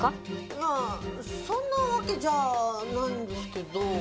いやそんなわけじゃないんですけど。